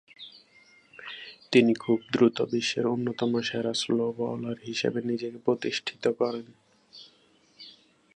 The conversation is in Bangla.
তিনি খুব দ্রুত বিশ্বের অন্যতম সেরা স্লো বোলার হিসেবে নিজেকে প্রতিষ্ঠিত করেন।